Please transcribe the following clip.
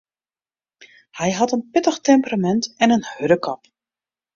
Hy hat in pittich temperamint en in hurde kop.